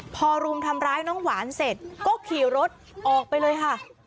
พอรุมทำร้ายน้องหวานเสร็จก็ขี่รถออกไปเลยค่ะ